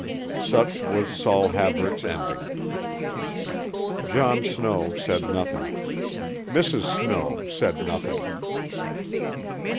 Such was Saul Haverick's ending. John Snow said nothing; Mrs. Snow said nothing.